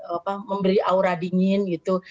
apa memberi aura dingin gitu